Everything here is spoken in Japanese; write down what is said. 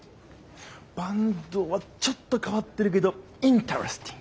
坂東はちょっと変わってるけどインタレスティング！